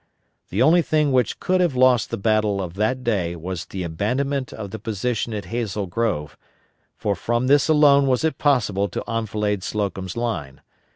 The only thing which could have lost the battle of that day was the abandonment of the position at Hazel Grove, for from this alone was it possible to enfilade Slocum's line.